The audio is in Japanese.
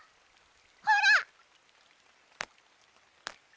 ほら！